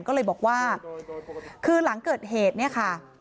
ก็เลยบอกว่าคือหลังเกิดเหตุเนี่ยค่ะ